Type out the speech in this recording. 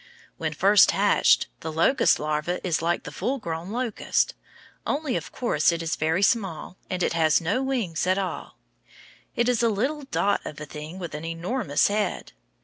When first hatched, the locust larva is like the full grown locust, only, of course, it is very small, and it has no wings at all. It is a little dot of a thing with an enormous head.